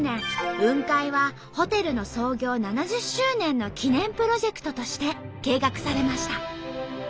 雲海はホテルの創業７０周年の記念プロジェクトとして計画されました。